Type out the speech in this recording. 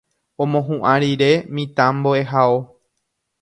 omohu'ã rire mitãmbo'ehao